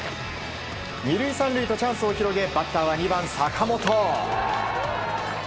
２塁３塁とチャンスを広げバッターは２番、坂本。